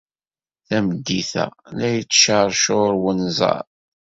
Tameddit-a, la yettceṛcuṛ wenẓar.